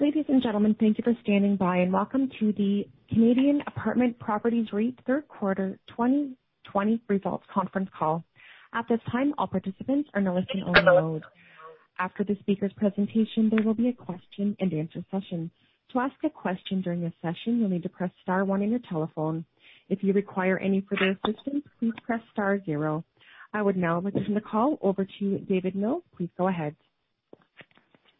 Ladies and gentlemen, thank you for standing by. Welcome to the Canadian Apartment Properties REIT Third Quarter 2020 Results Conference Call. At this time, all participants are in a listen-only mode. After the speaker's presentation, there will be a question and answer session. To ask a question during the session, you will need to press star one on your telephone. If you require any further assistance, please press star zero. I would now like to turn the call over to David Mill. Please go ahead.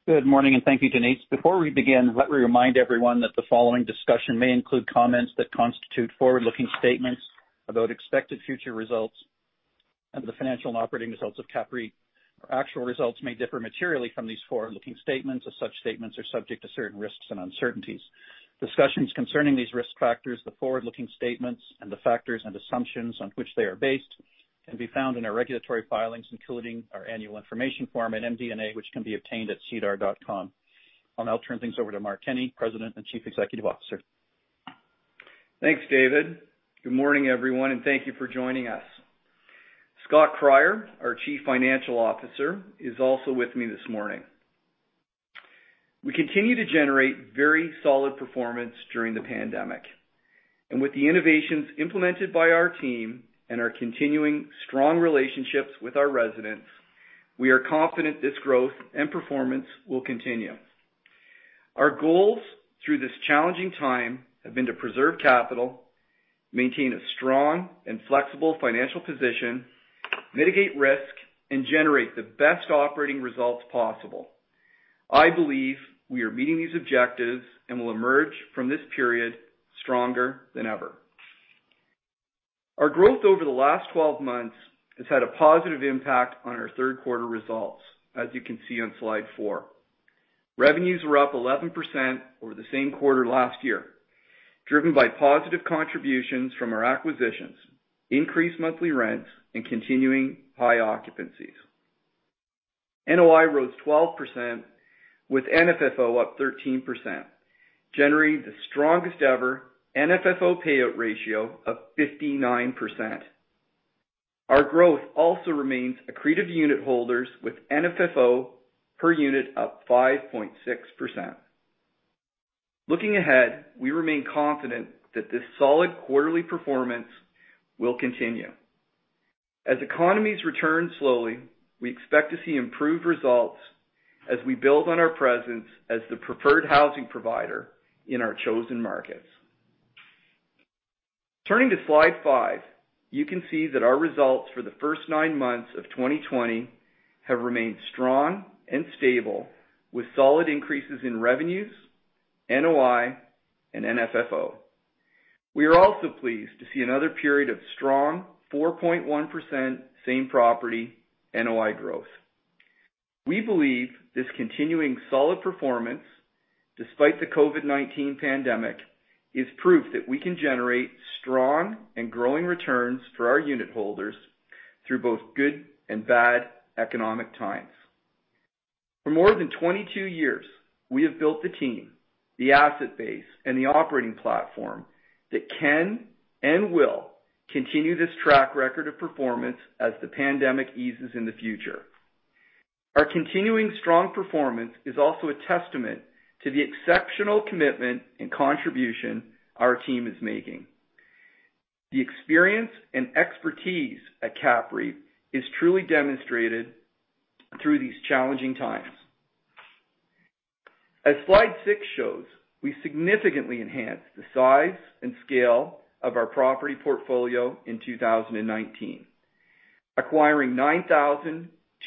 Good morning, thank you, Denise. Before we begin, let me remind everyone that the following discussion may include comments that constitute forward-looking statements about expected future results and the financial and operating results of CAPREIT. Our actual results may differ materially from these forward-looking statements, as such statements are subject to certain risks and uncertainties. Discussions concerning these risk factors, the forward-looking statements, and the factors and assumptions on which they are based can be found in our regulatory filings, including our annual information form and MD&A, which can be obtained at SEDAR. I'll now turn things over to Mark Kenney, President and Chief Executive Officer. Thanks, David. Good morning, everyone, and thank you for joining us. Scott Cryer, our Chief Financial Officer, is also with me this morning. We continue to generate very solid performance during the pandemic. With the innovations implemented by our team and our continuing strong relationships with our residents, we are confident this growth and performance will continue. Our goals through this challenging time have been to preserve capital, maintain a strong and flexible financial position, mitigate risk, and generate the best operating results possible. I believe we are meeting these objectives and will emerge from this period stronger than ever. Our growth over the last 12 months has had a positive impact on our third quarter results, as you can see on slide four. Revenues were up 11% over the same quarter last year, driven by positive contributions from our acquisitions, increased monthly rents, and continuing high occupancies. NOI rose 12%, with NFFO up 13%, generating the strongest-ever NFFO payout ratio of 59%. Our growth also remains accretive to unitholders, with NFFO per unit up 5.6%. Looking ahead, we remain confident that this solid quarterly performance will continue. As economies return slowly, we expect to see improved results as we build on our presence as the preferred housing provider in our chosen markets. Turning to slide five, you can see that our results for the first nine months of 2020 have remained strong and stable, with solid increases in revenues, NOI, and NFFO. We are also pleased to see another period of strong 4.1% same property NOI growth. We believe this continuing solid performance, despite the COVID-19 pandemic, is proof that we can generate strong and growing returns for our unitholders through both good and bad economic times. For more than 22 years, we have built the team, the asset base, and the operating platform that can and will continue this track record of performance as the pandemic eases in the future. Our continuing strong performance is also a testament to the exceptional commitment and contribution our team is making. The experience and expertise at CAPREIT is truly demonstrated through these challenging times. As slide six shows, we significantly enhanced the size and scale of our property portfolio in 2019, acquiring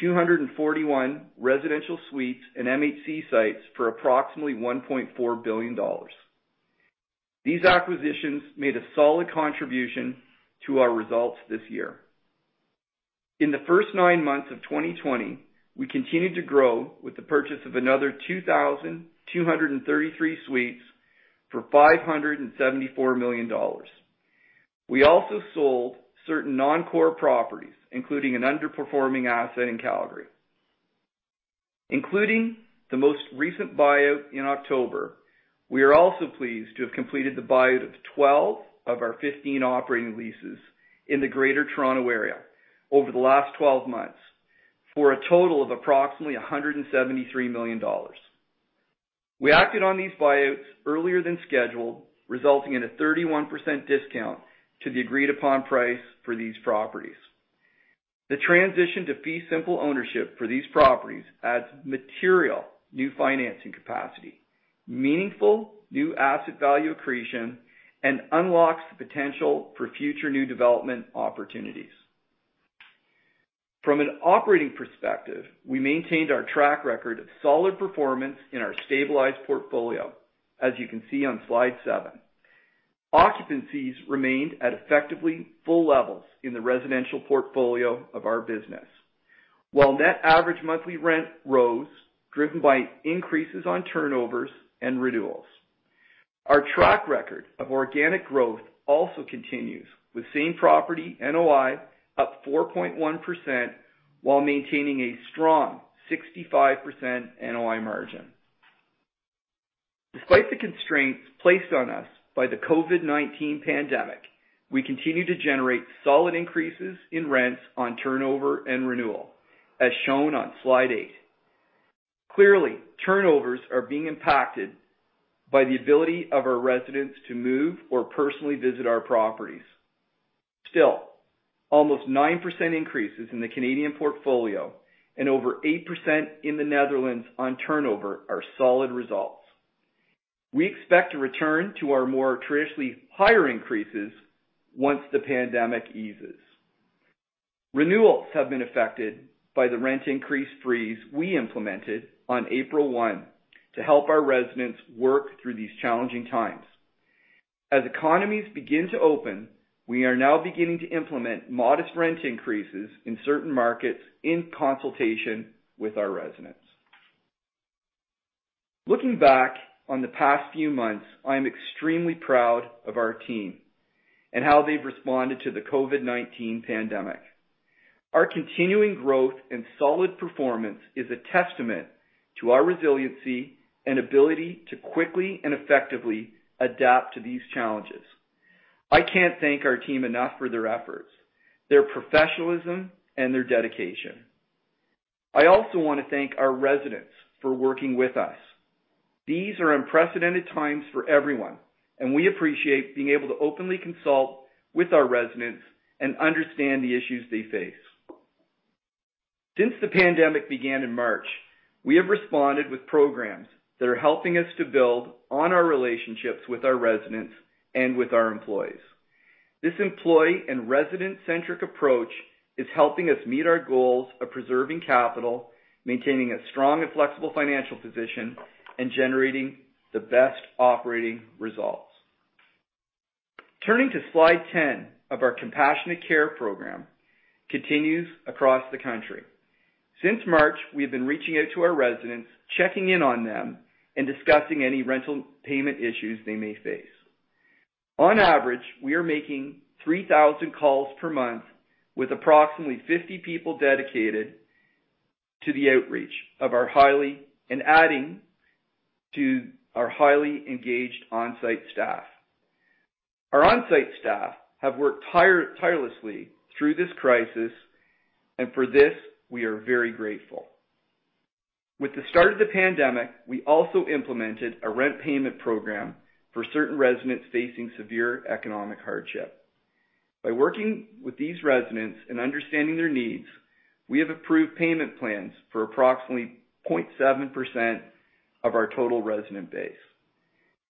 9,241 residential suites and MHC sites for approximately 1.4 billion dollars. These acquisitions made a solid contribution to our results this year. In the first nine months of 2020, we continued to grow with the purchase of another 2,233 suites for 574 million dollars. We also sold certain non-core properties, including an underperforming asset in Calgary. Including the most recent buyout in October, we are also pleased to have completed the buyout of 12 of our 15 operating leases in the Greater Toronto Area over the last 12 months for a total of approximately 173 million dollars. We acted on these buyouts earlier than scheduled, resulting in a 31% discount to the agreed-upon price for these properties. The transition to fee simple ownership for these properties adds material new financing capacity, meaningful new asset value accretion, and unlocks the potential for future new development opportunities. From an operating perspective, we maintained our track record of solid performance in our stabilized portfolio, as you can see on slide seven. Occupancies remained at effectively full levels in the residential portfolio of our business, while net average monthly rent rose, driven by increases on turnovers and renewals. Our track record of organic growth also continues, with same property NOI up 4.1% while maintaining a strong 65% NOI margin. Despite the constraints placed on us by the COVID-19 pandemic, we continue to generate solid increases in rents on turnover and renewal, as shown on slide eight. Clearly, turnovers are being impacted by the ability of our residents to move or personally visit our properties. Still, almost 9% increases in the Canadian portfolio and over 8% in the Netherlands on turnover are solid results. We expect a return to our more traditionally higher increases once the pandemic eases. Renewals have been affected by the rent increase freeze we implemented on April one to help our residents work through these challenging times. As economies begin to open, we are now beginning to implement modest rent increases in certain markets in consultation with our residents. Looking back on the past few months, I am extremely proud of our team and how they've responded to the COVID-19 pandemic. Our continuing growth and solid performance is a testament to our resiliency and ability to quickly and effectively adapt to these challenges. I can't thank our team enough for their efforts, their professionalism, and their dedication. I also want to thank our residents for working with us. These are unprecedented times for everyone, and we appreciate being able to openly consult with our residents and understand the issues they face. Since the pandemic began in March, we have responded with programs that are helping us to build on our relationships with our residents and with our employees. This employee and resident-centric approach is helping us meet our goals of preserving capital, maintaining a strong and flexible financial position, and generating the best operating results. Turning to slide 10 of our Compassionate Care program continues across the country. Since March, we have been reaching out to our residents, checking in on them, and discussing any rental payment issues they may face. On average, we are making 3,000 calls per month with approximately 50 people dedicated to the outreach and adding to our highly engaged on-site staff. Our on-site staff have worked tirelessly through this crisis, and for this, we are very grateful. With the start of the pandemic, we also implemented a rent payment program for certain residents facing severe economic hardship. By working with these residents and understanding their needs, we have approved payment plans for approximately 0.7% of our total resident base.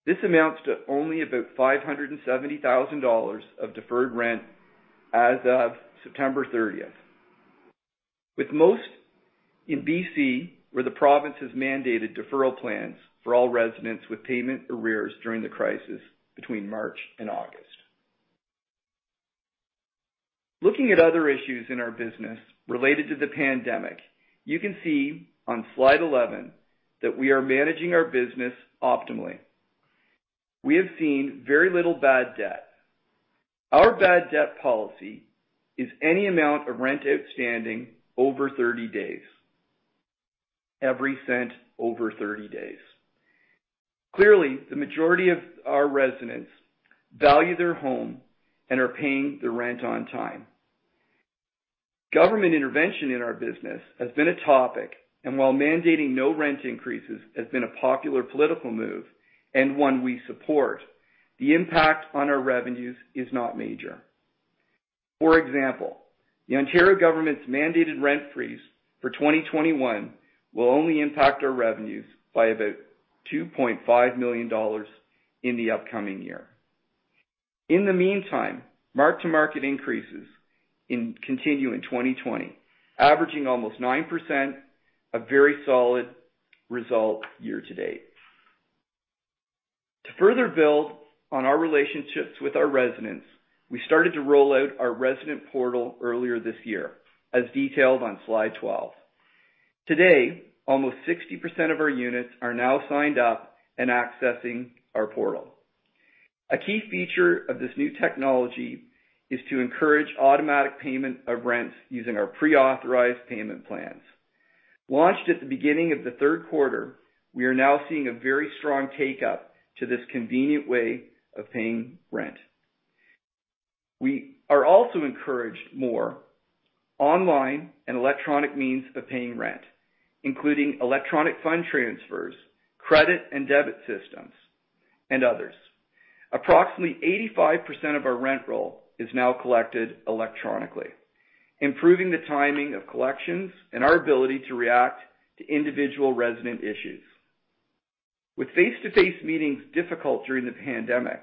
This amounts to only about 570,000 dollars of deferred rent as of September 30th. With most in BC where the province has mandated deferral plans for all residents with payment arrears during the crisis between March and August. Looking at other issues in our business related to the pandemic, you can see on slide 11 that we are managing our business optimally. We have seen very little bad debt. Our bad debt policy is any amount of rent outstanding over 30 days. Every cent over 30 days. Clearly, the majority of our residents value their home and are paying the rent on time. Government intervention in our business has been a topic, and while mandating no rent increases has been a popular political move, and one we support, the impact on our revenues is not major. For example, the Ontario government's mandated rent freeze for 2021 will only impact our revenues by about 2.5 million dollars in the upcoming year. In the meantime, mark-to-market increases continue in 2020, averaging almost 9%, a very solid result year to date. To further build on our relationships with our residents, we started to roll out our resident portal earlier this year, as detailed on slide 12. Today, almost 60% of our units are now signed up and accessing our portal. A key feature of this new technology is to encourage automatic payment of rents using our pre-authorized payment plans. Launched at the beginning of the third quarter, we are now seeing a very strong take-up to this convenient way of paying rent. We are also encouraged more online and electronic means of paying rent, including electronic fund transfers, credit and debit systems, and others. Approximately 85% of our rent roll is now collected electronically, improving the timing of collections and our ability to react to individual resident issues. With face-to-face meetings difficult during the pandemic,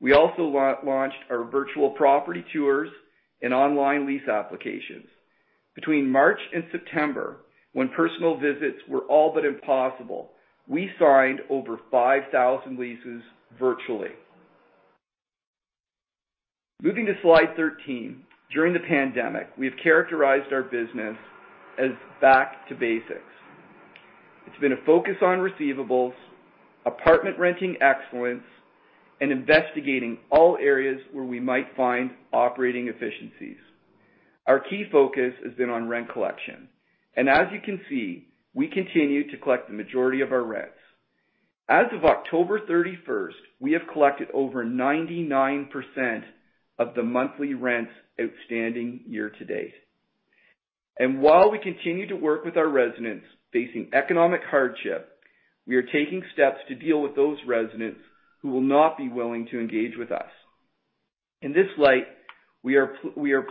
we also launched our virtual property tours and online lease applications. Between March and September, when personal visits were all but impossible, we signed over 5,000 leases virtually. Moving to slide 13, during the pandemic, we have characterized our business as back to basics. It's been a focus on receivables, apartment renting excellence, and investigating all areas where we might find operating efficiencies. Our key focus has been on rent collection. As you can see, we continue to collect the majority of our rents. As of October 31st, we have collected over 99% of the monthly rents outstanding year to date. While we continue to work with our residents facing economic hardship, we are taking steps to deal with those residents who will not be willing to engage with us. In this light, we are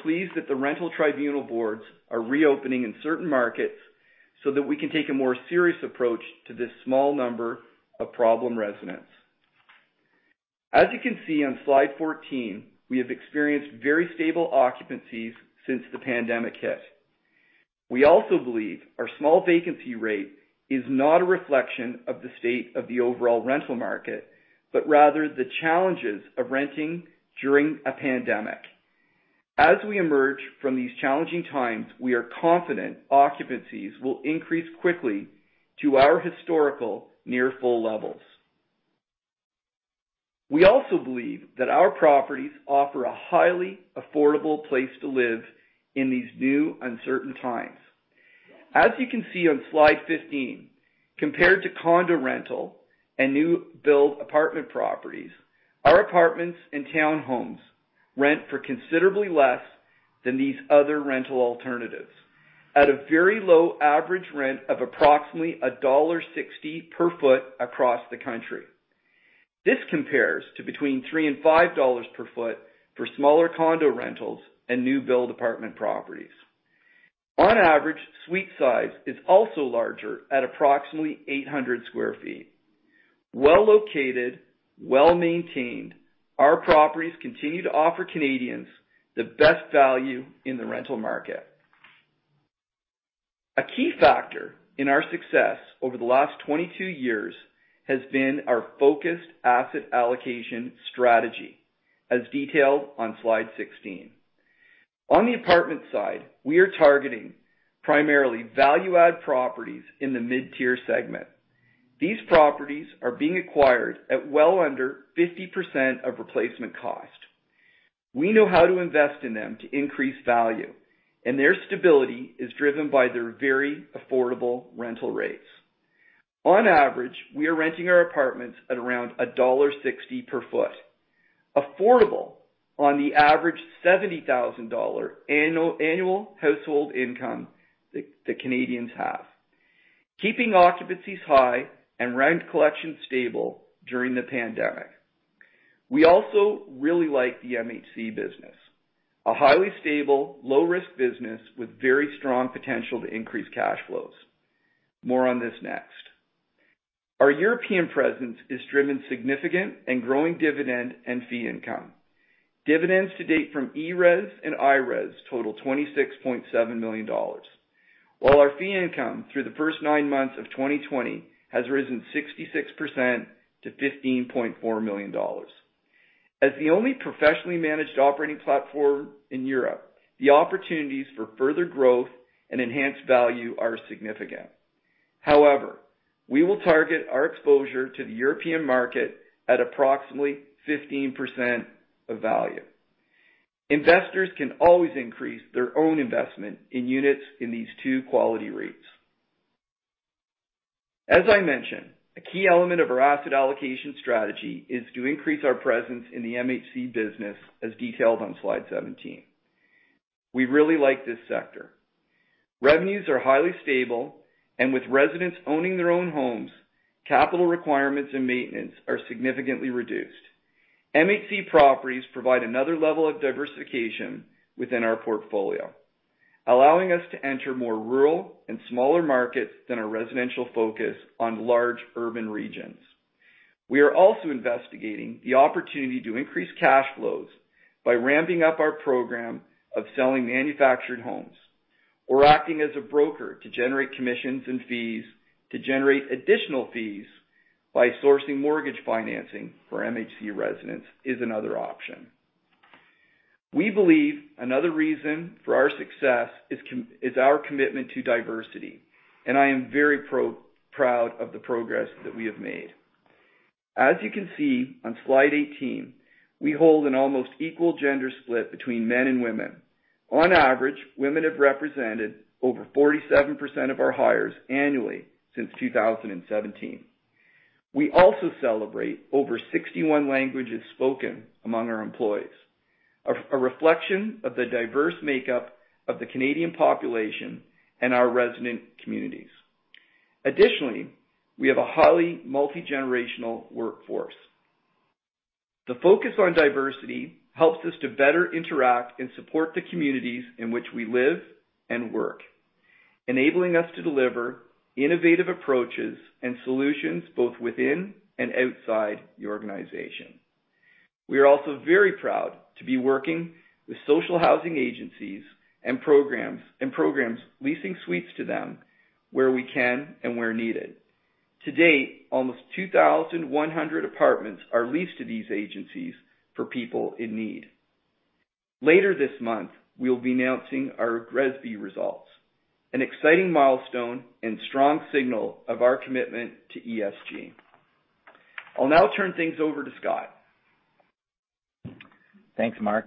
pleased that the rental tribunal boards are reopening in certain markets so that we can take a more serious approach to this small number of problem residents. As you can see on slide 14, we have experienced very stable occupancies since the pandemic hit. We also believe our small vacancy rate is not a reflection of the state of the overall rental market, but rather the challenges of renting during a pandemic. As we emerge from these challenging times, we are confident occupancies will increase quickly to our historical near full levels. We also believe that our properties offer a highly affordable place to live in these new uncertain times. As you can see on slide 15, compared to condo rental and new build apartment properties, our apartments and townhomes rent for considerably less than these other rental alternatives at a very low average rent of approximately dollar 1.60 per foot across the country. This compares to between 3 and 5 dollars per foot for smaller condo rentals and new build apartment properties. On average, suite size is also larger at approximately 800 square feet. Well-located, well-maintained, our properties continue to offer Canadians the best value in the rental market. A key factor in our success over the last 22 years has been our focused asset allocation strategy, as detailed on slide 16. On the apartment side, we are targeting primarily value-add properties in the mid-tier segment. These properties are being acquired at well under 50% of replacement cost. We know how to invest in them to increase value, and their stability is driven by their very affordable rental rates. On average, we are renting our apartments at around dollar 1.60 per foot. Affordable on the average 70,000 dollar annual household income that Canadians have, keeping occupancies high and rent collection stable during the pandemic. We also really like the MHC business, a highly stable, low-risk business with very strong potential to increase cash flows. More on this next. Our European presence is driven significant and growing dividend and fee income. Dividends to date from ERES and IRES total 26.7 million dollars. While our fee income through the first nine months of 2020 has risen 66% to 15.4 million dollars. As the only professionally managed operating platform in Europe, the opportunities for further growth and enhanced value are significant. However, we will target our exposure to the European market at approximately 15% of value. Investors can always increase their own investment in units in these two quality REITs. As I mentioned, a key element of our asset allocation strategy is to increase our presence in the MHC business as detailed on slide 17. We really like this sector. Revenues are highly stable, and with residents owning their own homes, capital requirements and maintenance are significantly reduced. MHC properties provide another level of diversification within our portfolio, allowing us to enter more rural and smaller markets than our residential focus on large urban regions. We are also investigating the opportunity to increase cash flows by ramping up our program of selling manufactured homes or acting as a broker to generate commissions and fees to generate additional fees by sourcing mortgage financing for MHC residents is another option. We believe another reason for our success is our commitment to diversity, and I am very proud of the progress that we have made. As you can see on slide 18, we hold an almost equal gender split between men and women. On average, women have represented over 47% of our hires annually since 2017. We also celebrate over 61 languages spoken among our employees, a reflection of the diverse makeup of the Canadian population and our resident communities. Additionally, we have a highly multi-generational workforce. The focus on diversity helps us to better interact and support the communities in which we live and work, enabling us to deliver innovative approaches and solutions both within and outside the organization. We are also very proud to be working with social housing agencies and programs leasing suites to them where we can and where needed. To date, almost 2,100 apartments are leased to these agencies for people in need. Later this month, we'll be announcing our GRESB results, an exciting milestone and strong signal of our commitment to ESG. I'll now turn things over to Scott. Thanks, Mark.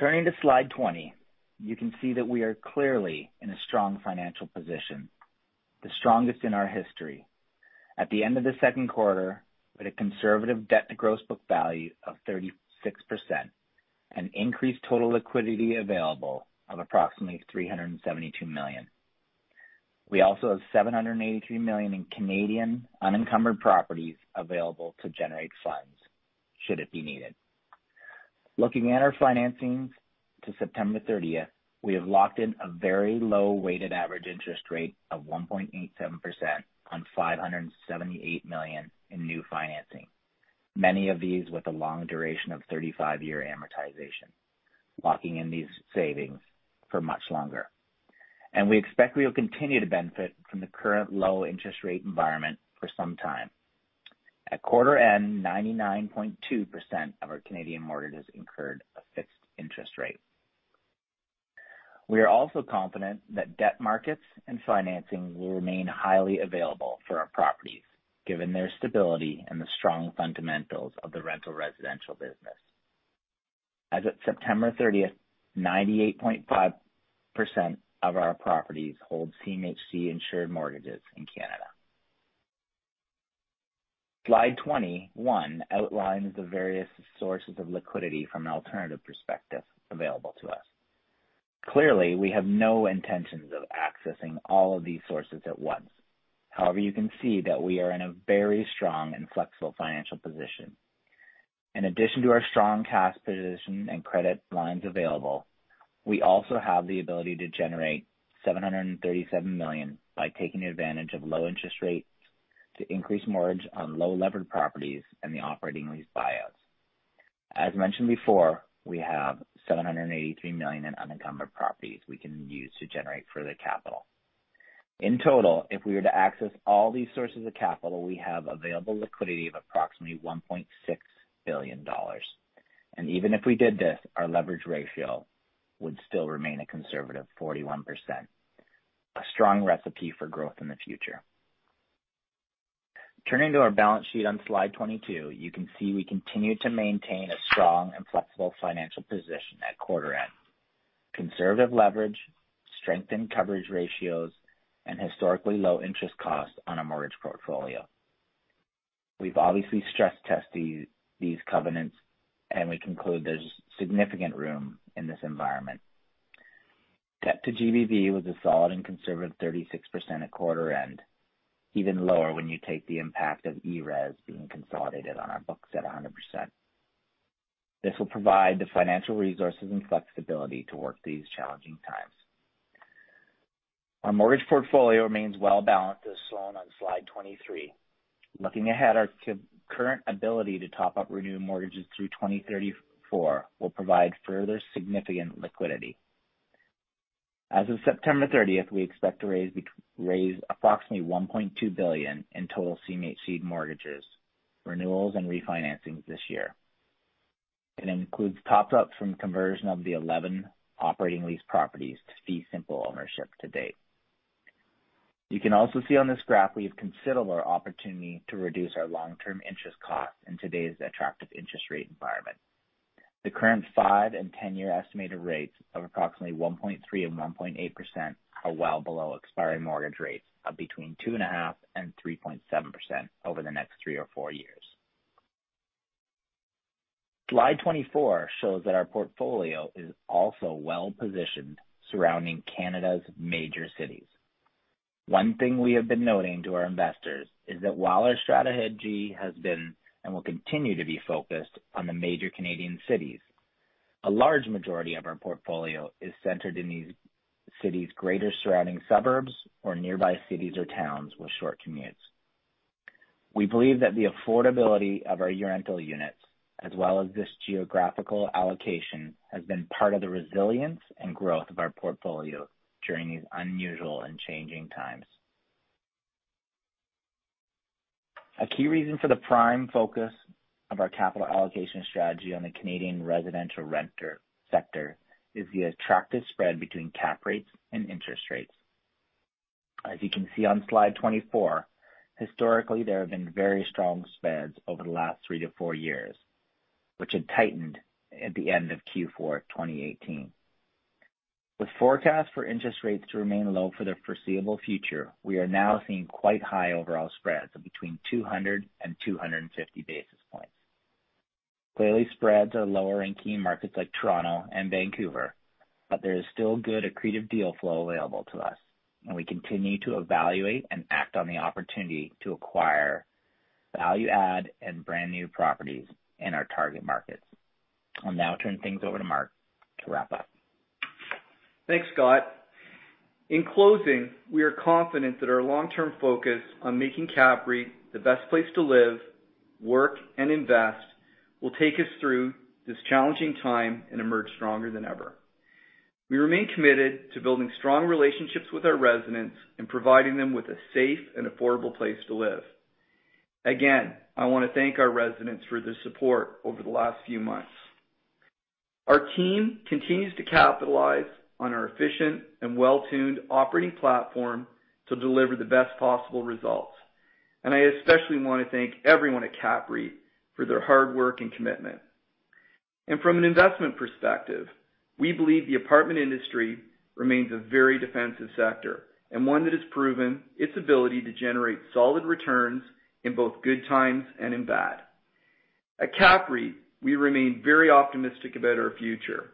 Turning to slide 20, you can see that we are clearly in a strong financial position, the strongest in our history. At the end of the second quarter, with a conservative debt to gross book value of 36%, and increased total liquidity available of approximately 372 million. We also have 783 million in Canadian unencumbered properties available to generate funds should it be needed. Looking at our financings to September 30th, we have locked in a very low weighted average interest rate of 1.87% on 578 million in new financing. Many of these with a long duration of 35-year amortization, locking in these savings for much longer. We expect we will continue to benefit from the current low interest rate environment for some time. At quarter end, 99.2% of our Canadian mortgages incurred a fixed interest rate. We are also confident that debt markets and financing will remain highly available for our properties, given their stability and the strong fundamentals of the rental residential business. As of September 30th, 98.5% of our properties hold CMHC-insured mortgages in Canada. Slide 21 outlines the various sources of liquidity from an alternative perspective available to us. Clearly, we have no intentions of accessing all of these sources at once. You can see that we are in a very strong and flexible financial position. In addition to our strong cash position and credit lines available, we also have the ability to generate 737 million by taking advantage of low interest rates to increase mortgage on low levered properties and the operating lease buyouts. As mentioned before, we have 783 million in unencumbered properties we can use to generate further capital. In total, if we were to access all these sources of capital, we have available liquidity of approximately 1.6 billion dollars. Even if we did this, our leverage ratio would still remain a conservative 41%, a strong recipe for growth in the future. Turning to our balance sheet on Slide 22, you can see we continue to maintain a strong and flexible financial position at quarter end. Conservative leverage, strengthened coverage ratios, and historically low interest costs on our mortgage portfolio. We've obviously stress tested these covenants, and we conclude there's significant room in this environment. Debt to GBV was a solid and conservative 36% at quarter end, even lower when you take the impact of ERES being consolidated on our books at 100%. This will provide the financial resources and flexibility to work these challenging times. Our mortgage portfolio remains well balanced, as shown on Slide 23. Looking ahead, our current ability to top-up renew mortgages through 2034 will provide further significant liquidity. As of September 30th, we expect to raise approximately 1.2 billion in total CMHC mortgages, renewals, and refinancings this year. It includes top-ups from conversion of the 11 operating lease properties to fee simple ownership to date. You can also see on this graph we have considerable opportunity to reduce our long-term interest costs in today's attractive interest rate environment. The current five and 10-year estimated rates of approximately 1.3% and 1.8% are well below expiring mortgage rates of between two and a half and 3.7% over the next three or four years. Slide 24 shows that our portfolio is also well-positioned surrounding Canada's major cities. One thing we have been noting to our investors is that while our strategy has been, and will continue to be focused on the major Canadian cities, a large majority of our portfolio is centered in these cities' greater surrounding suburbs or nearby cities or towns with short commutes. We believe that the affordability of our rental units, as well as this geographical allocation, has been part of the resilience and growth of our portfolio during these unusual and changing times. A key reason for the prime focus of our capital allocation strategy on the Canadian residential renter sector is the attractive spread between cap rates and interest rates. As you can see on Slide 24, historically, there have been very strong spreads over the last 3-4 years, which had tightened at the end of Q4 2018. With forecasts for interest rates to remain low for the foreseeable future, we are now seeing quite high overall spreads of between 200 and 250 basis points. Clearly, spreads are lower in key markets like Toronto and Vancouver, but there is still good accretive deal flow available to us, and we continue to evaluate and act on the opportunity to acquire value-add and brand new properties in our target markets. I'll now turn things over to Mark to wrap up. Thanks, Scott. In closing, we are confident that our long-term focus on making CAPREIT the best place to live, work, and invest will take us through this challenging time and emerge stronger than ever. We remain committed to building strong relationships with our residents and providing them with a safe and affordable place to live. Again, I want to thank our residents for their support over the last few months. Our team continues to capitalize on our efficient and well-tuned operating platform to deliver the best possible results. I especially want to thank everyone at CAPREIT for their hard work and commitment. From an investment perspective, we believe the apartment industry remains a very defensive sector and one that has proven its ability to generate solid returns in both good times and in bad. At CAPREIT, we remain very optimistic about our future.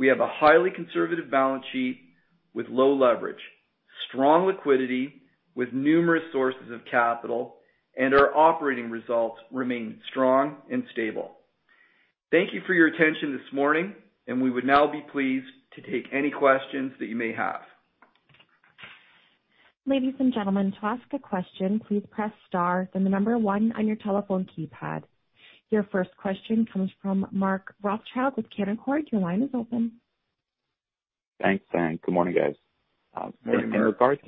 We have a highly conservative balance sheet with low leverage, strong liquidity with numerous sources of capital, and our operating results remain strong and stable. Thank you for your attention this morning, and we would now be pleased to take any questions that you may have. Ladies and gentlemen, to ask a question, please press star then the number one on your telephone keypad. Your first question comes from Mark Rothschild with Canaccord. Your line is open. Thanks. Good morning, guys. Good morning, Mark.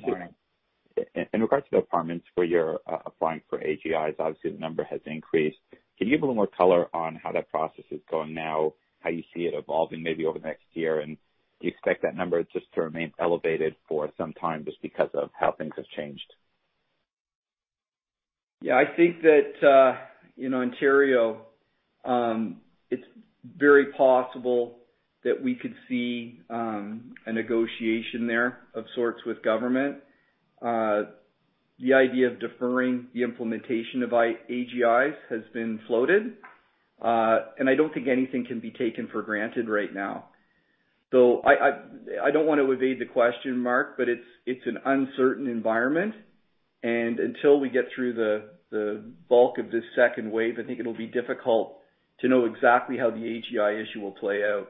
In regards to the apartments where you're applying for AGI, obviously the number has increased. Can you give a little more color on how that process is going now, how you see it evolving maybe over the next year? Do you expect that number just to remain elevated for some time just because of how things have changed? Yeah. I think that, in Ontario, it's very possible that we could see a negotiation there of sorts with government. The idea of deferring the implementation of AGI has been floated. I don't think anything can be taken for granted right now. I don't want to evade the question, Mark, but it's an uncertain environment. Until we get through the bulk of this second wave, I think it'll be difficult to know exactly how the AGI issue will play out.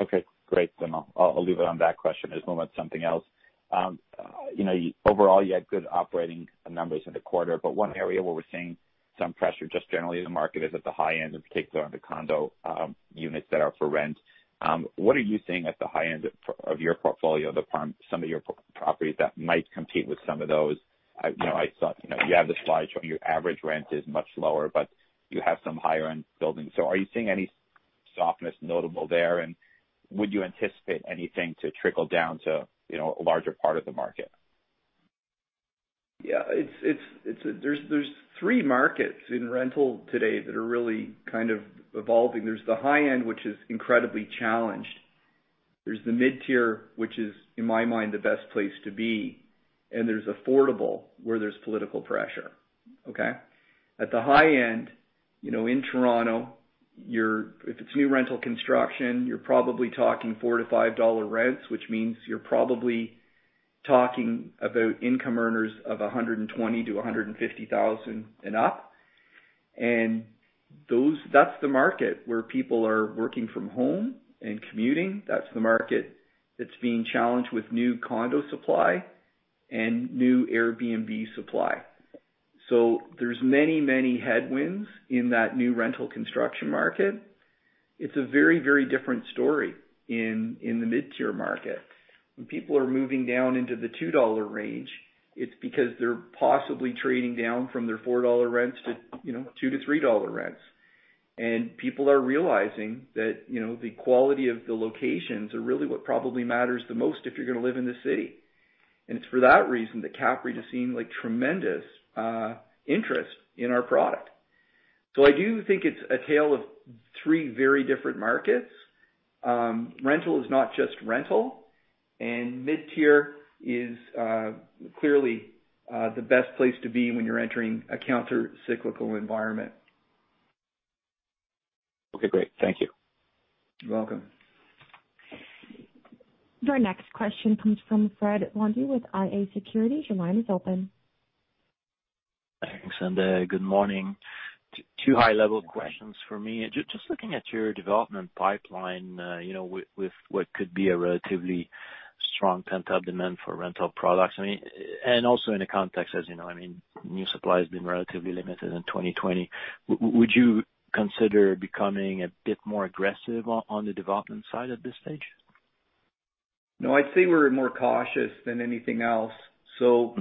Okay, great. I'll leave it on that question. There's one about something else. Overall, you had good operating numbers in the quarter, but one area where we're seeing some pressure just generally in the market is at the high-end, in particular, on the condo units that are for rent. What are you seeing at the high-end of your portfolio, some of your properties that might compete with some of those? I saw you have the slide showing your average rent is much lower, but you have some higher-end buildings. Are you seeing any softness notable there, and would you anticipate anything to trickle down to a larger part of the market? Yeah. There's three markets in rental today that are really evolving. There's the high-end, which is incredibly challenged. There's the mid-tier, which is, in my mind, the best place to be, and there's affordable, where there's political pressure. Okay. At the high-end, in Toronto, if it's new rental construction, you're probably talking 45 dollar, rents which means you're probably talking about income earners of 120,000 to 150,000 and up. That's the market where people are working from home and commuting. That's the market that's being challenged with new condo supply and new Airbnb supply. There's many headwinds in that new rental construction market. It's a very different story in the mid-tier market. When people are moving down into the 2 dollar range, it's because they're possibly trading down from their 4 dollar rents to 2 to 3 dollar rents. People are realizing that the quality of the locations are really what probably matters the most if you're going to live in the city. It's for that reason that CAPREIT is seeing tremendous interest in our product. I do think it's a tale of three very different markets. Rental is not just rental, and mid-tier is clearly the best place to be when you're entering a counter-cyclical environment. Okay, great. Thank you. You're welcome. Your next question comes from Fred Blondeau with iA Securities. Your line is open. Thanks, and good morning. Two high-level questions from me. Just looking at your development pipeline, with what could be a relatively strong pent-up demand for rental products, and also in the context as you know, new supply has been relatively limited in 2020. Would you consider becoming a bit more aggressive on the development side at this stage? No, I'd say we're more cautious than anything else for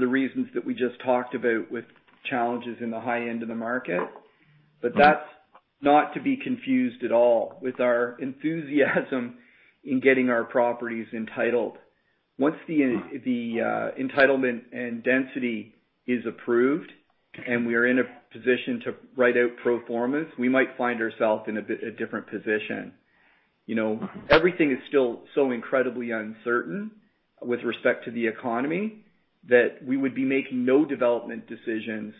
the reasons that we just talked about with challenges in the high-end of the market. That's not to be confused at all with our enthusiasm in getting our properties entitled. Once the entitlement and density is approved, and we are in a position to write out pro formas, we might find ourselves in a bit of a different position. Everything is still so incredibly uncertain with respect to the economy, that we would be making no development decisions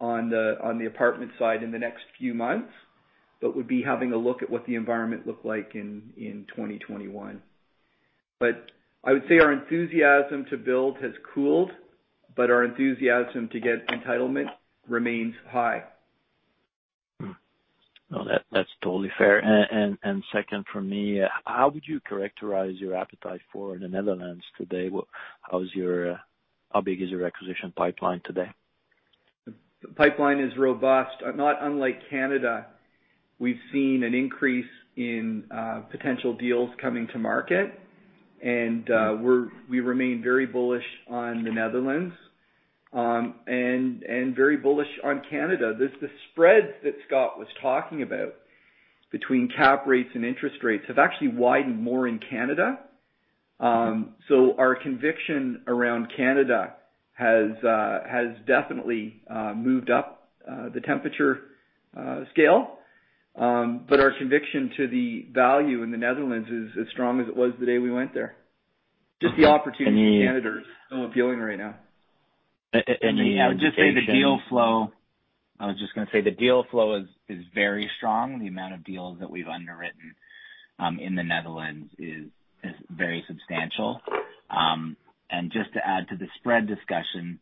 on the apartment side in the next few months, but would be having a look at what the environment looked like in 2021. I would say our enthusiasm to build has cooled, but our enthusiasm to get entitlement remains high. Well, that's totally fair. Second from me, how would you characterize your appetite for the Netherlands today? How big is your acquisition pipeline today? The pipeline is robust. Not unlike Canada, we've seen an increase in potential deals coming to market, and we remain very bullish on the Netherlands. Very bullish on Canada. The spreads that Scott was talking about between cap rates and interest rates have actually widened more in Canada. Our conviction around Canada has definitely moved up the temperature scale. Our conviction to the value in the Netherlands is as strong as it was the day we went there. Just the opportunity in Canada is so appealing right now. Any indication- I was just going to say the deal flow is very strong. The amount of deals that we've underwritten in the Netherlands is very substantial. Just to add to the spread discussion,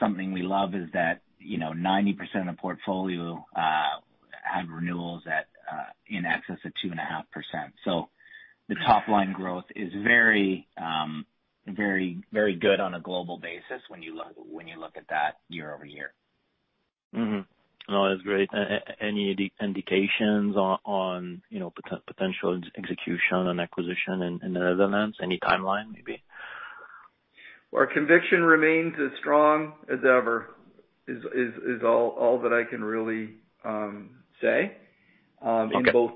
something we love is that 90% of portfolio have renewals in excess of 2.5%. The top-line growth is very good on a global basis when you look at that year-over-year. No, that's great. Any indications on potential execution on acquisition in the Netherlands? Any timeline, maybe? Our conviction remains as strong as ever, is all that I can really say. Okay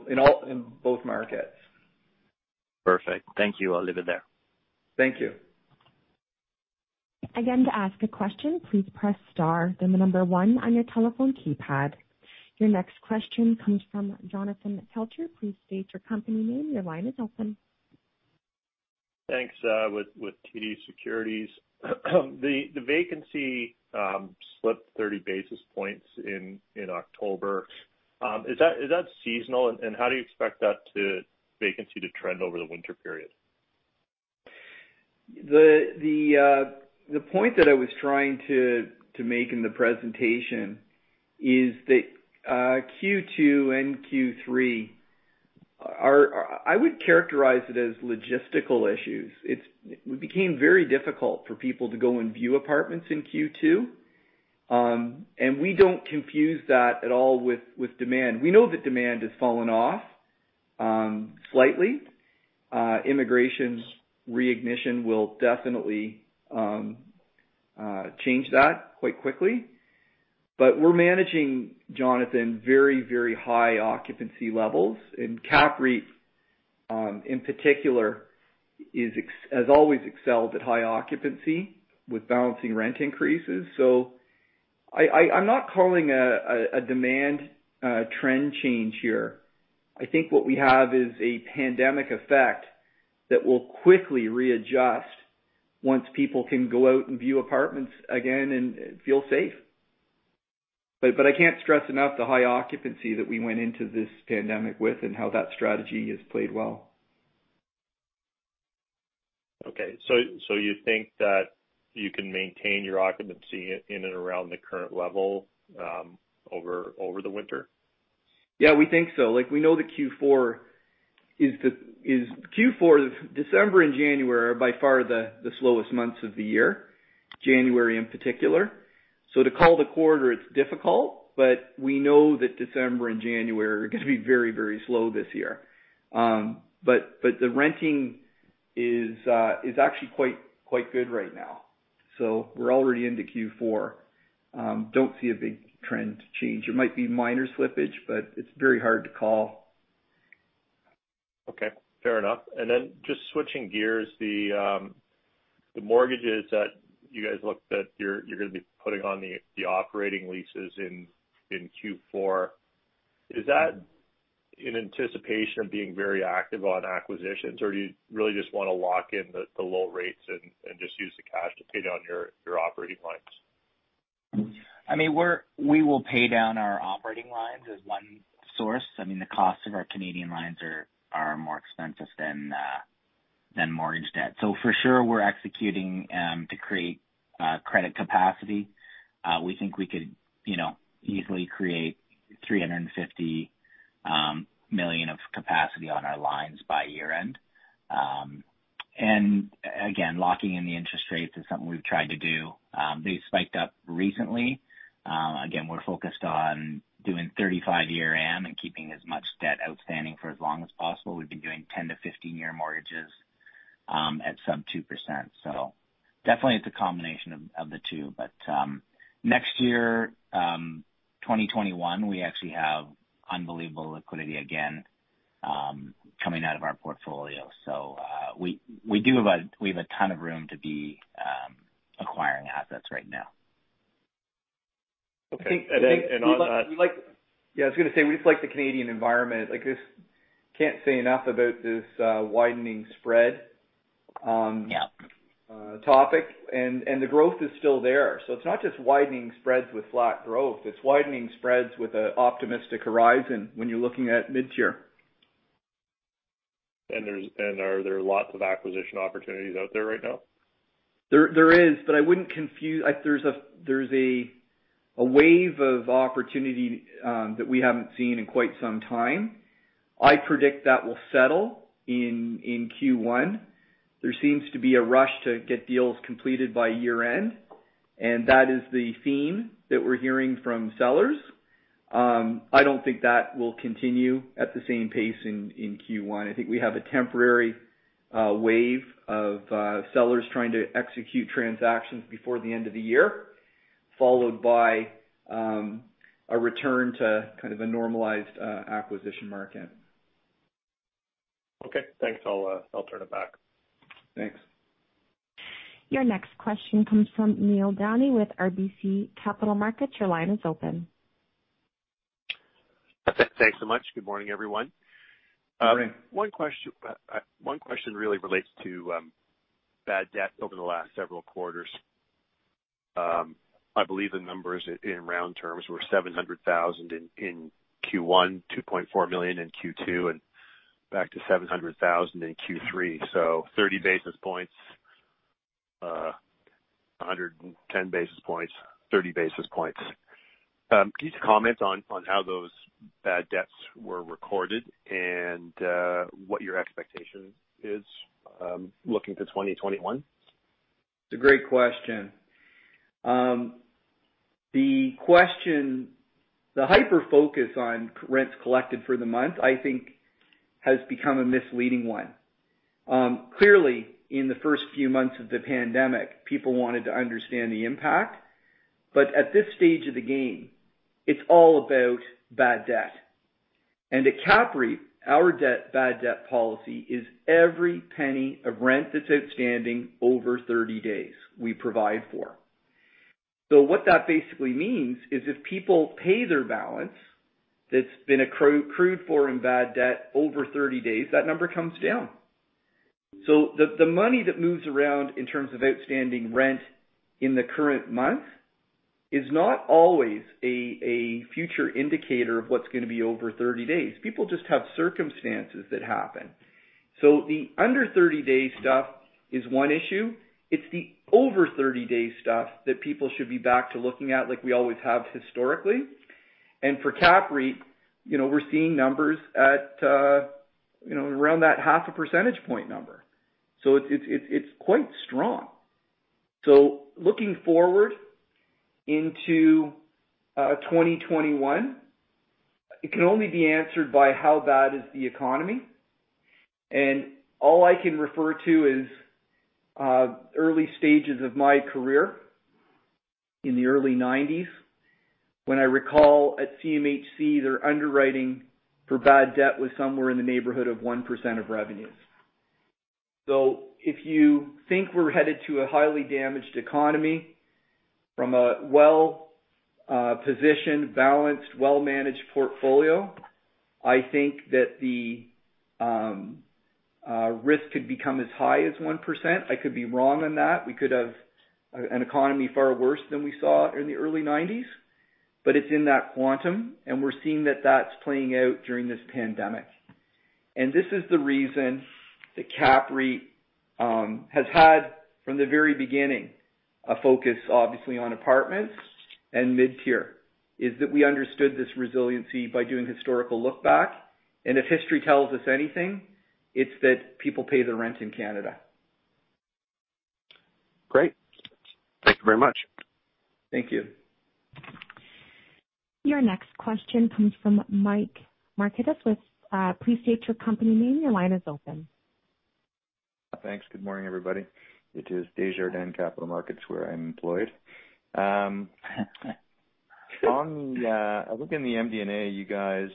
in both markets. Perfect. Thank you. I'll leave it there. Thank you. Again to ask a question, please press star then the number one on your telephone keypad. Your next question comes from Jonathan Kelcher. Please state your company name. Your line is open. Thanks. With TD Securities. The vacancy slipped 30 basis points in October. Is that seasonal? How do you expect that vacancy to trend over the winter period? The point that I was trying to make in the presentation is that Q2 and Q3 are, I would characterize it as logistical issues. It became very difficult for people to go and view apartments in Q2. We don't confuse that at all with demand. We know that demand has fallen off slightly. Immigration reignition will definitely change that quite quickly. We're managing, Jonathan, very high occupancy levels and CAPREIT, in particular, has always excelled at high occupancy with balancing rent increases. I'm not calling a demand trend change here. I think what we have is a pandemic effect that will quickly readjust once people can go out and view apartments again and feel safe. I can't stress enough the high occupancy that we went into this pandemic with and how that strategy has played well. Okay. You think that you can maintain your occupancy in and around the current level over the winter? Yeah, we think so. Q4, December and January are by far the slowest months of the year, January in particular. To call the quarter, it's difficult, but we know that December and January are going to be very slow this year. The renting is actually quite good right now. We're already into Q4, don't see a big trend change. It might be minor slippage, but it's very hard to call. Okay, fair enough. Just switching gears, the mortgages that you guys are going to be putting on the operating leases in Q4, is that in anticipation of being very active on acquisitions, or you really just want to lock in the low rates and just use the cash to pay down your operating lines? We will pay down our operating lines as one source. The costs of our Canadian lines are more expensive than mortgage debt. For sure we're executing to create credit capacity. We think we could easily create 350 million of capacity on our lines by year-end. Again, locking in the interest rates is something we've tried to do. They spiked up recently. Again, we're focused on doing 35-year am and keeping as much debt outstanding for as long as possible. We've been doing 10-15-year mortgages at sub 2%. Definitely it's a combination of the two. Next year, 2021, we actually have unbelievable liquidity again coming out of our portfolio. We have a ton of room to be acquiring assets right now. Okay. Yeah, I was going to say, we just like the Canadian environment. I just can't say enough about this widening spread. Yep topic. The growth is still there. It's not just widening spreads with flat growth, it's widening spreads with an optimistic horizon when you're looking at mid-tier. Are there lots of acquisition opportunities out there right now? There is. There's a wave of opportunity that we haven't seen in quite some time. I predict that will settle in Q1. There seems to be a rush to get deals completed by year-end, and that is the theme that we're hearing from sellers. I don't think that will continue at the same pace in Q1. I think we have a temporary wave of sellers trying to execute transactions before the end of the year, followed by a return to kind of a normalized acquisition market. Okay, thanks. I'll turn it back. Thanks. Your next question comes from Neil Downey with RBC Capital Markets. Your line is open. Thanks so much. Good morning, everyone. Morning. One question really relates to bad debt over the last several quarters. I believe the numbers in round terms were 700,000 in Q1, 2.4 million in Q2, and back to 700,000 in Q3. 30 basis points, 110 basis points, 30 basis points. Can you just comment on how those bad debts were recorded and what your expectation is looking to 2021? It's a great question. The hyper-focus on rents collected for the month, I think has become a misleading one. Clearly, in the first few months of the pandemic, people wanted to understand the impact. At this stage of the game, it's all about bad debt. At CAPREIT, our bad debt policy is every penny of rent that's outstanding over 30 days, we provide for. What that basically means is if people pay their balance that's been accrued for in bad debt over 30 days, that number comes down. The money that moves around in terms of outstanding rent in the current month is not always a future indicator of what's going to be over 30 days. People just have circumstances that happen. The under 30-day stuff is one issue. It's the over 30-day stuff that people should be back to looking at like we always have historically. For CAPREIT, we're seeing numbers at around that half a percentage point number. It's quite strong. Looking forward into 2021, it can only be answered by how bad is the economy. All I can refer to is early stages of my career in the early '90s, when I recall at CMHC, their underwriting for bad debt was somewhere in the neighborhood of 1% of revenues. If you think we're headed to a highly damaged economy from a well-positioned, balanced, well-managed portfolio, I think that the risk could become as high as 1%. I could be wrong on that. We could have an economy far worse than we saw in the early '90s, but it's in that quantum, and we're seeing that that's playing out during this pandemic. This is the reason that CAPREIT has had from the very beginning, a focus, obviously, on apartments and mid-tier, is that we understood this resiliency by doing historical look back. If history tells us anything, it's that people pay their rent in Canada. Great. Thank you very much. Thank you. Your next question comes from Michael Markidis. Please state your company name. Your line is open. Thanks. Good morning, everybody. It is Desjardins Capital Markets, where I'm employed. A look in the MD&A, you guys,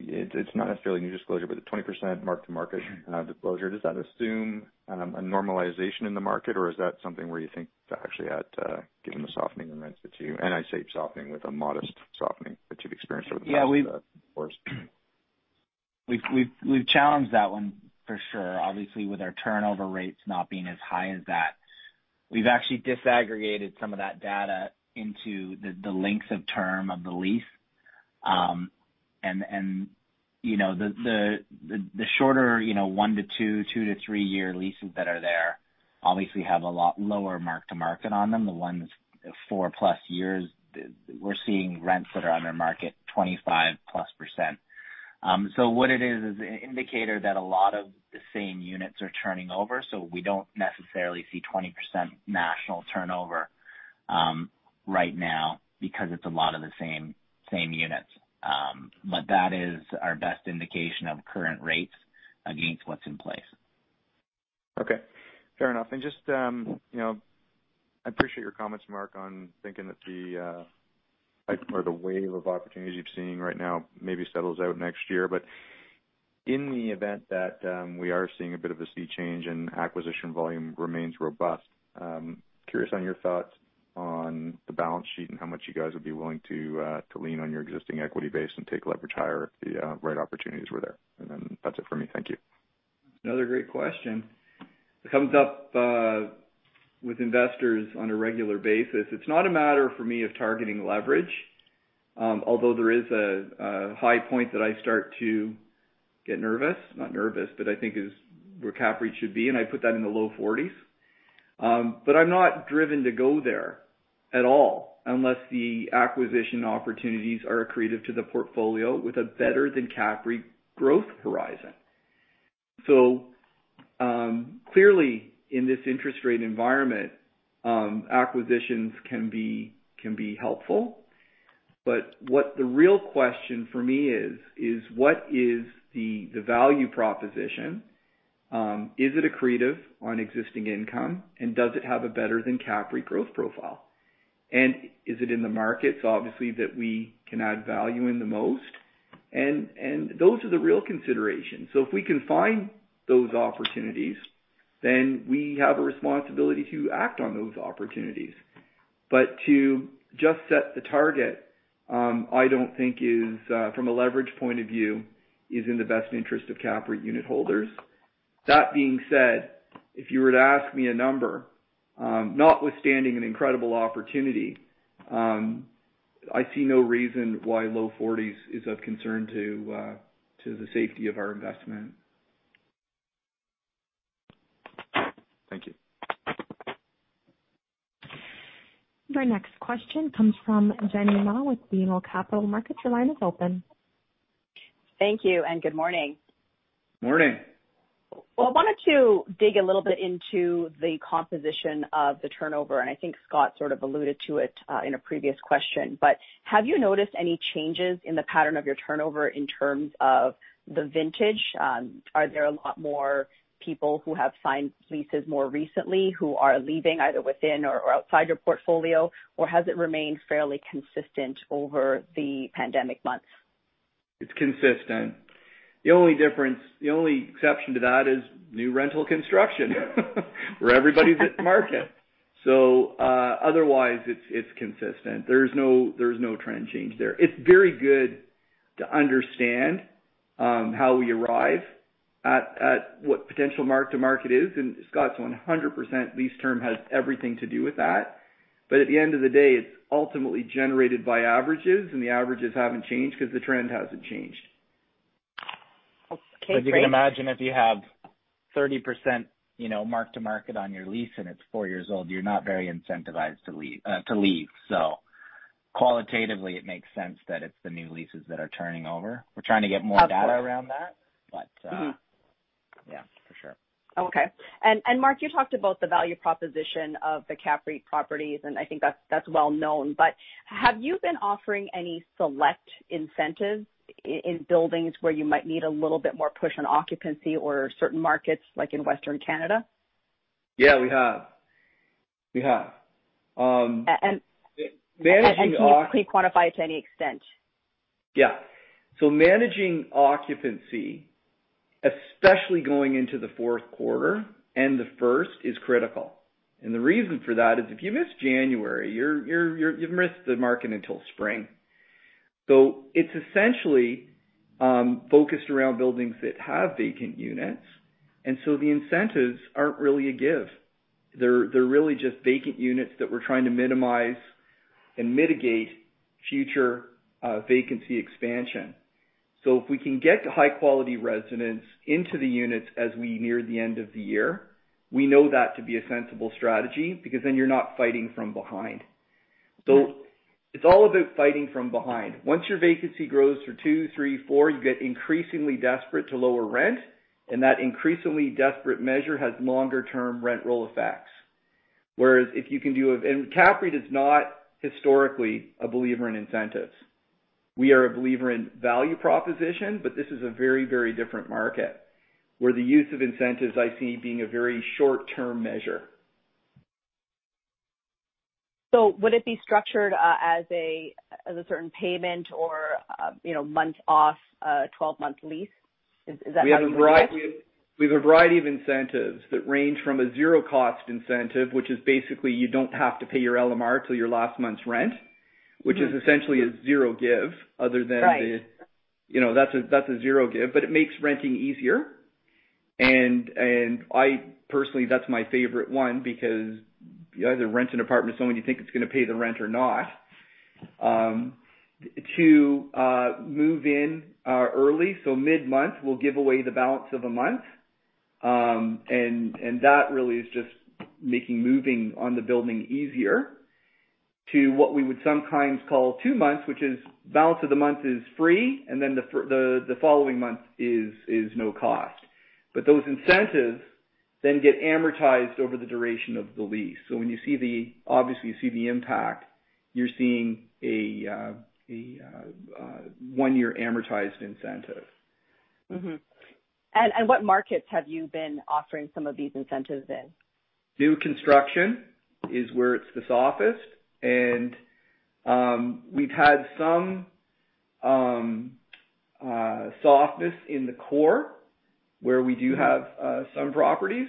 it's not necessarily new disclosure, but the 20% mark-to-market disclosure, does that assume a normalization in the market, or is that something where you think that actually had, given the softening in rents that I say softening with a modest softening that you've experienced over the last couple of quarters. We've challenged that one for sure. Obviously, with our turnover rates not being as high as that. We've actually disaggregated some of that data into the lengths of term of the lease. The shorter one-two, two-three-year leases that are there obviously have a lot lower mark-to-market on them. The ones four plus years, we're seeing rents that are under market 25%+. What it is an indicator that a lot of the same units are turning over. We don't necessarily see 20% national turnover right now because it's a lot of the same units. That is our best indication of current rates against what's in place. Okay. Fair enough. Just I appreciate your comments, Mark, on thinking that the type or the wave of opportunities you're seeing right now maybe settles out next year. In the event that we are seeing a bit of a sea change and acquisition volume remains robust, curious on your thoughts on the balance sheet and how much you guys would be willing to lean on your existing equity base and take leverage higher if the right opportunities were there. Then that's it for me. Thank you. Another great question. It comes up with investors on a regular basis. It's not a matter for me of targeting leverage. Although there is a high point that I start to get nervous. Not nervous, but I think is where CAPREIT should be, and I put that in the low 40s. I'm not driven to go there at all unless the acquisition opportunities are accretive to the portfolio with a better than CAPREIT growth horizon. Clearly, in this interest rate environment, acquisitions can be helpful. What the real question for me is what is the value proposition? Is it accretive on existing income, and does it have a better than CAPREIT growth profile? Is it in the markets, obviously, that we can add value in the most? Those are the real considerations. If we can find those opportunities, then we have a responsibility to act on those opportunities. To just set the target, I don't think is, from a leverage point of view, is in the best interest of CAPREIT unit holders. That being said, if you were to ask me a number, notwithstanding an incredible opportunity, I see no reason why low 40s is of concern to the safety of our investment. Thank you. Our next question comes from Jenny Ma with BMO Capital Markets. Your line is open. Thank you and good morning. Morning. Well, I wanted to dig a little bit into the composition of the turnover, and I think Scott sort of alluded to it in a previous question. Have you noticed any changes in the pattern of your turnover in terms of the vintage? Are there a lot more people who have signed leases more recently who are leaving either within or outside your portfolio, or has it remained fairly consistent over the pandemic months? It's consistent. The only exception to that is new rental construction where everybody's at the market. Otherwise it's consistent. There's no trend change there. It's very good to understand how we arrive at what potential mark-to-market is. Scott's 100% lease term has everything to do with that. At the end of the day, it's ultimately generated by averages, and the averages haven't changed because the trend hasn't changed. Okay, great. As you can imagine, if you have 30% mark-to-market on your lease and it's four years old, you're not very incentivized to leave. Qualitatively, it makes sense that it's the new leases that are turning over. We're trying to get more data around that. Absolutely. Yeah, for sure. Okay. Mark, you talked about the value proposition of the CAPREIT properties, and I think that's well known. Have you been offering any select incentives in buildings where you might need a little bit more push on occupancy or certain markets like in Western Canada? Yeah, we have. Can you quantify it to any extent? Yeah. Managing occupancy, especially going into the fourth quarter and the first, is critical. The reason for that is if you miss January, you've missed the market until spring. It's essentially, focused around buildings that have vacant units, and so the incentives aren't really a give. They're really just vacant units that we're trying to minimize and mitigate future vacancy expansion. If we can get high-quality residents into the units as we near the end of the year, we know that to be a sensible strategy, because then you're not fighting from behind. It's all about fighting from behind. Once your vacancy grows for two, three, four, you get increasingly desperate to lower rent, and that increasingly desperate measure has longer-term rent roll effects. CAPREIT is not historically a believer in incentives. We are a believer in value proposition, but this is a very different market where the use of incentives I see being a very short-term measure. Would it be structured as a certain payment or a month off a 12-month lease? Is that how? We have a variety of incentives that range from a zero-cost incentive, which is basically you don't have to pay your LMR till your last month's rent. Which is essentially a zero give other than- Right That's a zero give, it makes renting easier. Personally, that's my favorite one because you either rent an apartment to someone you think is going to pay the rent or not. To move in early, so mid-month, we'll give away the balance of a month. That really is just making moving on the building easier to what we would sometimes call two months, which is balance of the month is free, and the following month is no cost. Those incentives get amortized over the duration of the lease. Obviously, you see the impact. You're seeing a one-year amortized incentive. What markets have you been offering some of these incentives in? New construction is where it's the softest, and we've had some softness in the core where we do have some properties.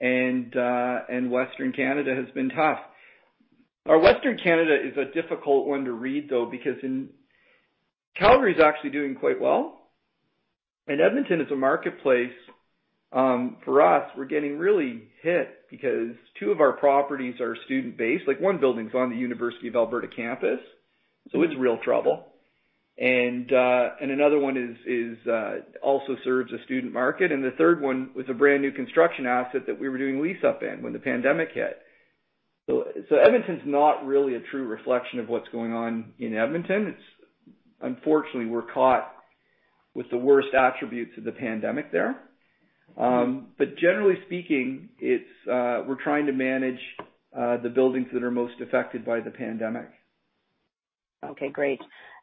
Western Canada has been tough. Western Canada is a difficult one to read, though, because Calgary's actually doing quite well. Edmonton is a marketplace, for us, we're getting really hit because two of our properties are student-based. One building's on the University of Alberta campus, so it's real trouble. Another one also serves a student market, and the third one was a brand-new construction asset that we were doing lease-up in when the pandemic hit. Edmonton's not really a true reflection of what's going on in Edmonton. Unfortunately, we're caught with the worst attributes of the pandemic there. Generally speaking, we're trying to manage the buildings that are most affected by the pandemic. Okay, great.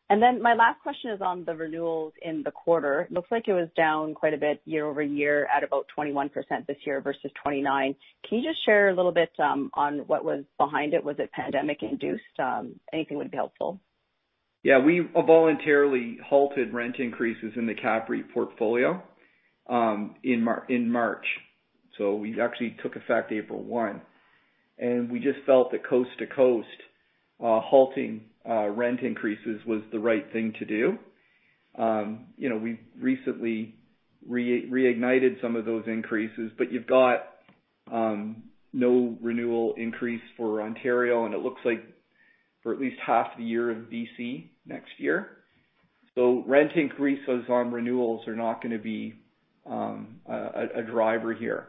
My last question is on the renewals in the quarter. Looks like it was down quite a bit year-over-year at about 21% this year versus 29%. Can you just share a little bit on what was behind it? Was it pandemic induced? Anything would be helpful. We voluntarily halted rent increases in the CAPREIT portfolio in March. We actually took effect April one, and we just felt that coast to coast, halting rent increases was the right thing to do. We've recently reignited some of those increases, you've got no renewal increase for Ontario, and it looks like for at least half the year in BC next year. Rent increases on renewals are not going to be a driver here.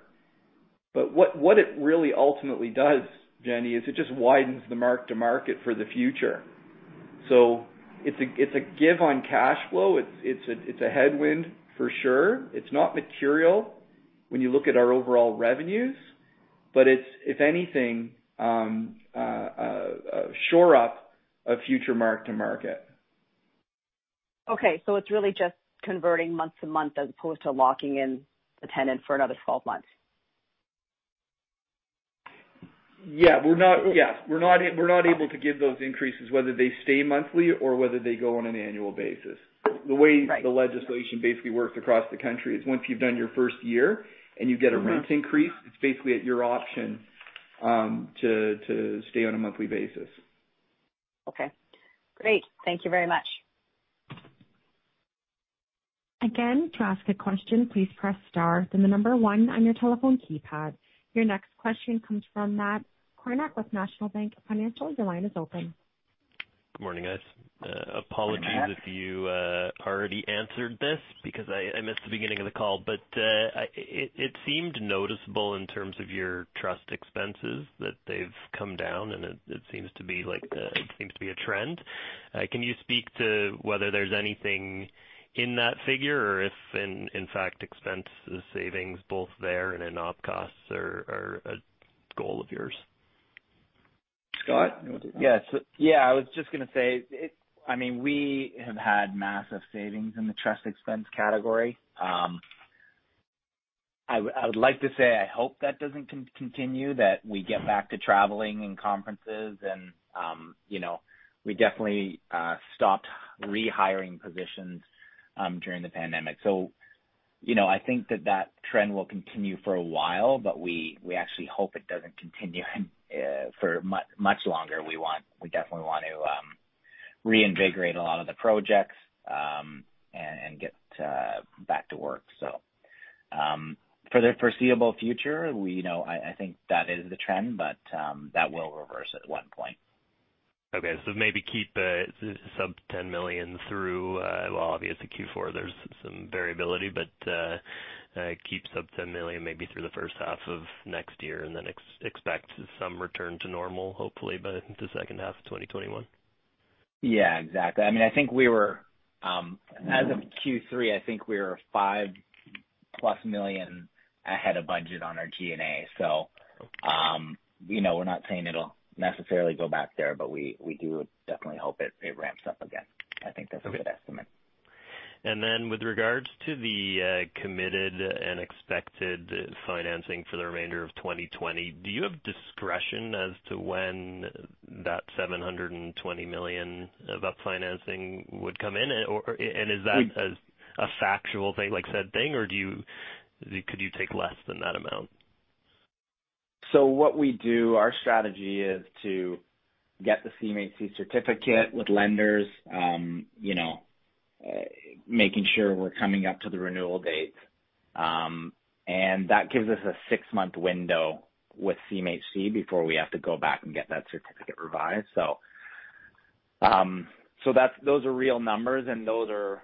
What it really ultimately does, Jenny, is it just widens the mark-to-market for the future. It's a give on cash flow. It's a headwind for sure. It's not material when you look at our overall revenues, but if anything, a shore up of future mark-to-market. Okay. It's really just converting month to month as opposed to locking in the tenant for another 12 months. Yeah. We're not able to give those increases whether they stay monthly or whether they go on an annual basis. Right. The way the legislation basically works across the country is once you've done your first year and you get a rent increase, it's basically at your option to stay on a monthly basis. Okay, great. Thank you very much. Again to ask a question, please press star then the number one on your telephone keypad. Your next question comes from Matt Kornack with National Bank Financial. Your line is open. Good morning, guys. Good morning, Matt. Apologies if you already answered this because I missed the beginning of the call, but it seemed noticeable in terms of your trust expenses that they've come down, and it seems to be a trend. Can you speak to whether there's anything in that figure or if in fact expense savings both there and in op costs are a goal of yours? Scott, you want to take that? Yes. I was just going to say, we have had massive savings in the trust expense category. I would like to say, I hope that doesn't continue, that we get back to traveling and conferences and we definitely stopped rehiring positions during the pandemic. I think that trend will continue for a while, but we actually hope it doesn't continue for much longer. We definitely want to reinvigorate a lot of the projects and get back to work. For the foreseeable future, I think that is the trend, but that will reverse at one point. Okay. Maybe keep sub 10 million through, well, obviously Q4 there's some variability, but keep sub 10 million maybe through the first half of next year, and then expect some return to normal, hopefully by the second half of 2021. Yeah, exactly. As of Q3, I think we were 5-plus million ahead of budget on our G&A. Okay. We're not saying it'll necessarily go back there, but we do definitely hope it ramps up again. I think that's a good estimate. With regards to the committed and expected financing for the remainder of 2020, do you have discretion as to when that 720 million of financing would come in? Is that a factual thing, like set thing, or could you take less than that amount? What we do, our strategy is to get the CMHC certificate with lenders, making sure we're coming up to the renewal dates. That gives us a six-month window with CMHC before we have to go back and get that certificate revised. Those are real numbers and those are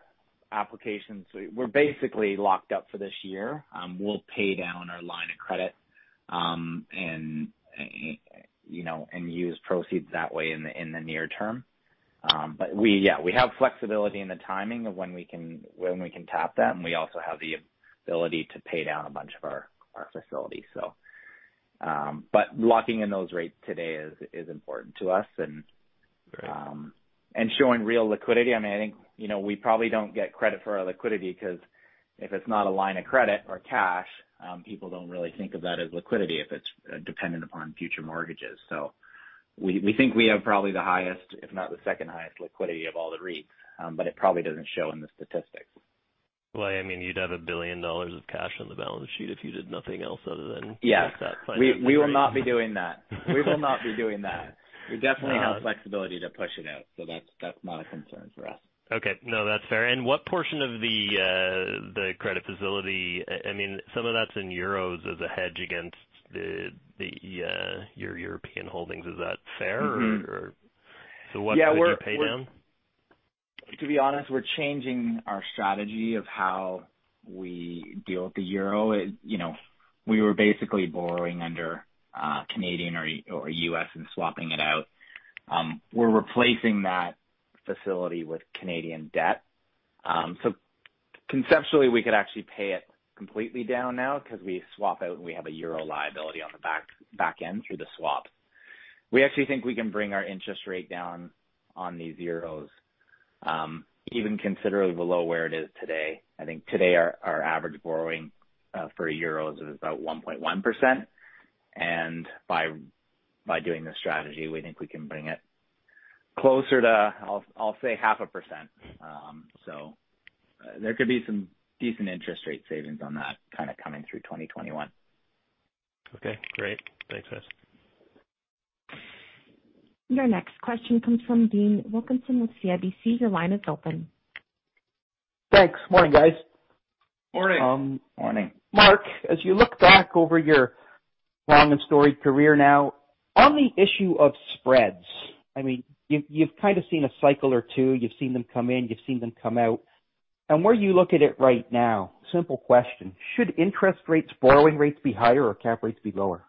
applications. We're basically locked up for this year. We'll pay down our line of credit and use proceeds that way in the near term. We have flexibility in the timing of when we can tap them. We also have the ability to pay down a bunch of our facilities. Locking in those rates today is important to us showing real liquidity. I think we probably don't get credit for our liquidity because if it's not a line of credit or cash, people don't really think of that as liquidity if it's dependent upon future mortgages. We think we have probably the highest, if not the second highest liquidity of all the REITs, but it probably doesn't show in the statistics. Well, you'd have 1 billion dollars of cash on the balance sheet if you did nothing else other than take that final maturity. Yeah. We will not be doing that. We will not be doing that. We definitely have flexibility to push it out. That's not a concern for us. Okay. No, that's fair. What portion of the credit facility, some of that's in euros as a hedge against your European holdings? Is that fair? What could you pay down? To be honest, we're changing our strategy of how we deal with the EUR. We were basically borrowing under CAD or U.S. and swapping it out. We're replacing that facility with Canadian debt. Conceptually, we could actually pay it completely down now because we swap out and we have a EUR liability on the back end through the swap. We actually think we can bring our interest rate down on these EUR, even considerably below where it is today. I think today our average borrowing for EUR is about 1.1%. By doing this strategy, we think we can bring it closer to, I'll say, half a percent. There could be some decent interest rate savings on that kind of coming through 2021. Okay, great. Thanks, guys. Your next question comes from Dean Wilkinson with CIBC. Your line is open. Thanks. Morning, guys. Morning. Morning. Mark, as you look back over your long and storied career now, on the issue of spreads, you've kind of seen a cycle or two. You've seen them come in, you've seen them come out. Where you look at it right now, simple question, should interest rates, borrowing rates be higher or cap rates be lower?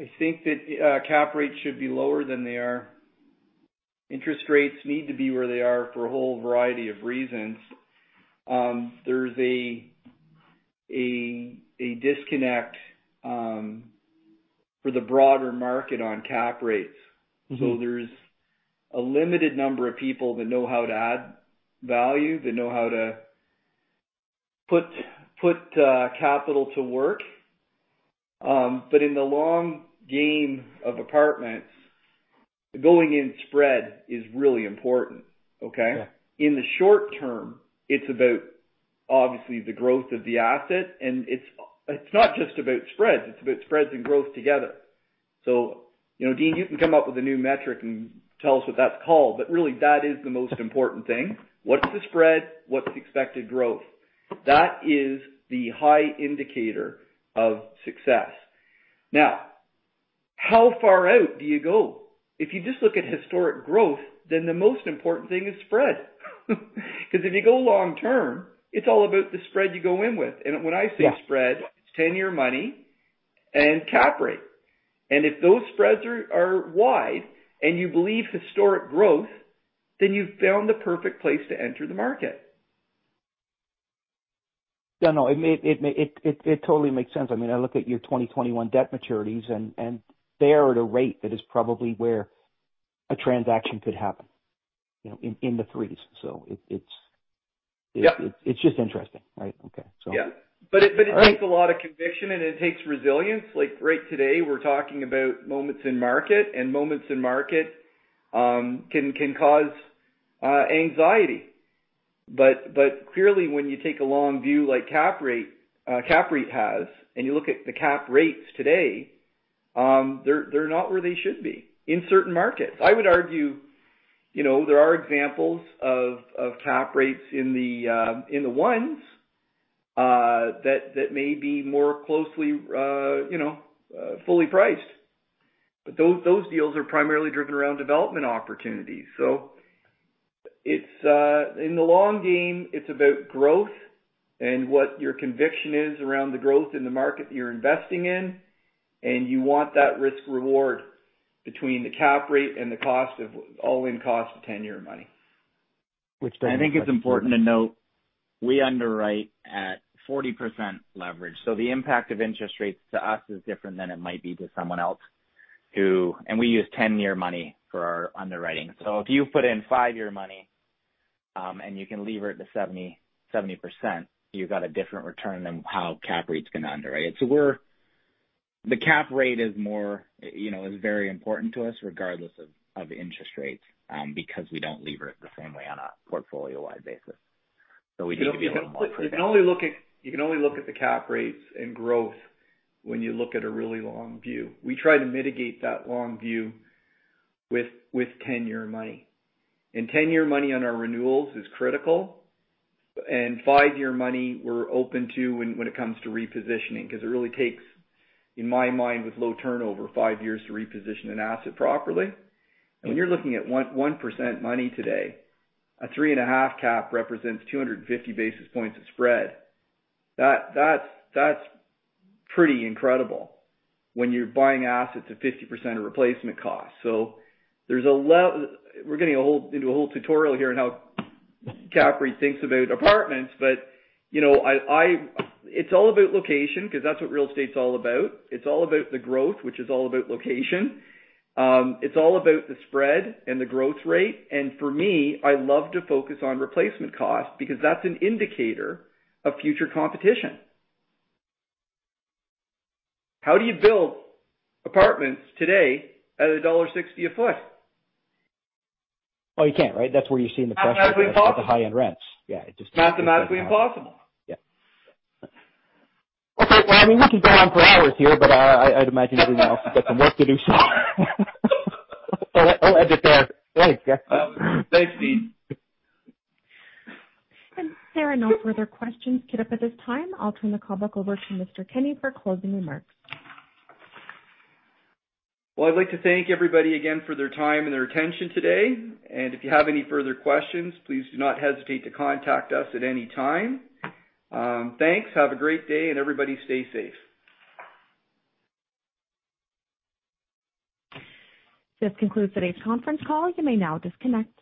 I think that cap rates should be lower than they are. Interest rates need to be where they are for a whole variety of reasons. There's a disconnect for the broader market on cap rates. There's a limited number of people that know how to add value, that know how to put capital to work. In the long game of apartments, going-in spread is really important, okay. Yeah. In the short term, it's about, obviously, the growth of the asset. It's not just about spreads, it's about spreads and growth together. Dean, you can come up with a new metric and tell us what that's called. Really that is the most important thing. What's the spread? What's the expected growth? That is the high indicator of success. How far out do you go? If you just look at historic growth, the most important thing is spread. If you go long term, it's all about the spread you go in with. When I say spread. Yeah it's 10-year money and cap rate. If those spreads are wide and you believe historic growth, then you've found the perfect place to enter the market. Yeah, no, it totally makes sense. I look at your 2021 debt maturities and they are at a rate that is probably where a transaction could happen, in the threes. Yep just interesting. Right. Okay. Yeah. It takes a lot of conviction and it takes resilience. Like right today, we're talking about moments in market, and moments in market can cause anxiety. Clearly when you take a long view like CAPREIT has, and you look at the cap rates today, they're not where they should be in certain markets. I would argue, there are examples of cap rates in the ones that may be more closely fully priced. Those deals are primarily driven around development opportunities. In the long game, it's about growth and what your conviction is around the growth in the market that you're investing in, and you want that risk reward between the cap rate and the all-in cost of 10-year money. I think it's important to note we underwrite at 40% leverage. The impact of interest rates to us is different than it might be to someone else. We use 10-year money for our underwriting. If you put in five-year money, and you can lever it to 70%, you've got a different return than how CAPREIT's going to underwrite. The cap rate is very important to us regardless of interest rates, because we don't lever it the same way on a portfolio-wide basis. We can be a little more prudent. You can only look at the cap rates and growth when you look at a really long view. We try to mitigate that long view with 10-year money. 10-year money on our renewals is critical, and five-year money we're open to when it comes to repositioning, because it really takes, in my mind, with low turnover, five years to reposition an asset properly. When you're looking at 1% money today, a three and a half cap represents 250 basis points of spread. That's pretty incredible when you're buying assets at 50% of replacement cost. We're getting into a whole tutorial here on how CAPREIT thinks about apartments. It's all about location, because that's what real estate's all about. It's all about the growth, which is all about location. It's all about the spread and the growth rate. For me, I love to focus on replacement cost because that's an indicator of future competition. How do you build apartments today at dollar 1.60 a foot? Oh, you can't. That's where you're seeing the pressure. Mathematically impossible. with the high-end rents. Yeah. It just doesn't add up. Mathematically impossible. Yeah. Okay. Well, we could go on for hours here, but I'd imagine everyone else has got some work to do, so I'll end it there. Thanks, guys. Thanks, Dean. There are no further questions queued up at this time. I'll turn the call back over to Mr. Kenney for closing remarks. Well, I'd like to thank everybody again for their time and their attention today. If you have any further questions, please do not hesitate to contact us at any time. Thanks. Have a great day, and everybody stay safe. This concludes today's conference call. You may now disconnect.